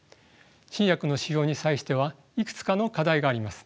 新薬の使用に際してはいくつかの課題があります。